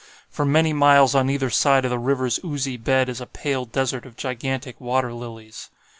For many miles on either side of the river's oozy bed is a pale desert of gigantic water lilies.